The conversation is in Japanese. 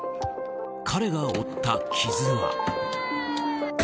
彼が負った傷は。